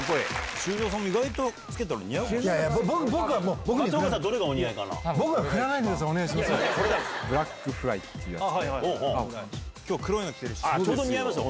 修造さんも意外とつけたら似合うかもしれないですよ。